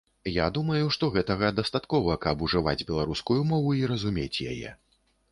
Я думаю, што гэтага дастаткова, каб ужываць беларускую мову і разумець яе.